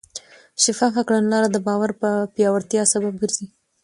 شفافه کړنلاره د باور پیاوړتیا سبب ګرځي.